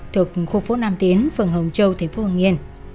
thuộc khu phố nam tiến phường hồng châu thịnh phố hồng yên